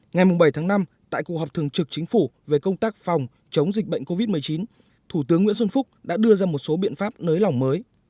ngày bảy tháng năm tại cuộc họp thường trực chính phủ về công tác phòng chống dịch bệnh covid một mươi chín thủ tướng nguyễn xuân phúc đã đưa ra một số biện pháp nới lỏng mới